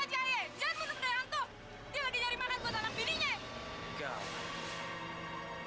jangan bunuh budaya hantu